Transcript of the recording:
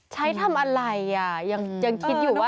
ทำอะไรยังคิดอยู่ว่า